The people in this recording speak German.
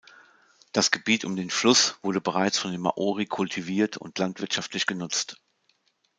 Das Gebiet um den Fluss wurde bereits von den Māori kultiviert und landwirtschaftlich genutzt.